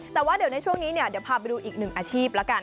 แต่ว่าในช่วงนี้เดี๋ยวพาไปดูอีกหนึ่งอาชีพละกัน